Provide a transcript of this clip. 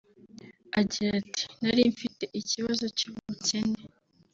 Agira ati “Nari mfite ikibazo cy’ubukene